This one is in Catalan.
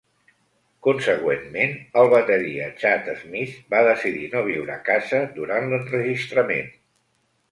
Consegüentment, el bateria Chad Smith va decidir no viure a casa durant l"enregistrament.